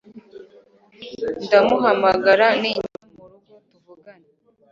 Ndamuhamagara ningera murugo tuvugane.